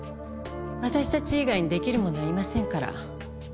私たち以外に出来る者はいませんから。